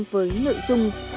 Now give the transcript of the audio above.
với nội dung